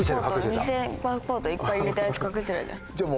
ニセのパスポートいっぱい入れたやつ隠してたじゃん。